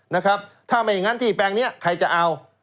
นะครับถ้าไม่อย่างนั้นที่แปลงนี้ใครจะเอา